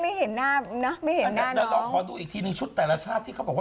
แล้วเป็นคนดูหน้าไม่เห็นหน้าหน้าให้เราดูอีกทีชุดแต่ราชาติที่เขาบอกจะ